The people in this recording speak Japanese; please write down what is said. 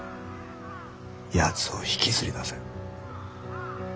やつを引きずり出せ。